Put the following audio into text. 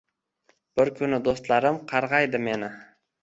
Bir kuni dustlarim qargaydi meni